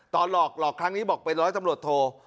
หลอกหลอกครั้งนี้บอกเป็นร้อยตำรวจโท